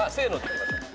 いきましょう。